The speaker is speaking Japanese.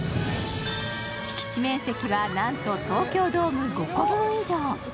敷地面積は、なんと東京ドーム５個分以上。